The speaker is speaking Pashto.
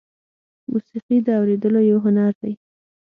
موسیقي د اورېدلو یو هنر دی.